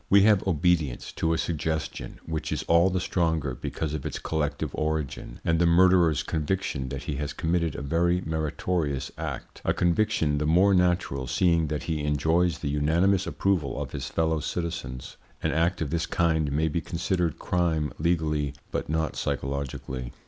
We have obedience to a suggestion, which is all the stronger because of its collective origin, and the murderer's conviction that he has committed a very meritorious act, a conviction the more natural seeing that he enjoys the unanimous approval of his fellow citizens. An act of this kind may be considered crime legally but not psychologically.